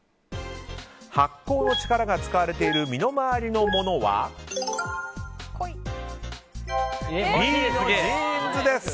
発酵の力が使われている身の回りの物はＢのジーンズです。